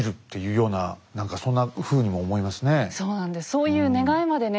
そういう願いまでね